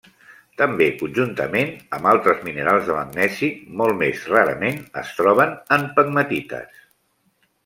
També conjuntament amb altres minerals de magnesi, molt més rarament es troba en pegmatites.